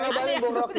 bu saya tidak mengabali